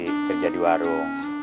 mau berhenti kerja di warung